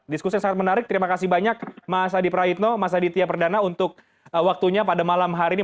diskusi yang sangat menarik terima kasih banyak mas adi prayitno mas aditya perdana untuk waktunya pada malam hari ini